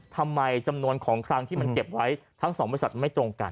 ทำไมจำนวนของคลังที่มันเก็บไว้ทั้งสองบริษัทไม่ตรงกัน